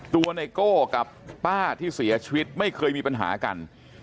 ไนโก้กับป้าที่เสียชีวิตไม่เคยมีปัญหากัน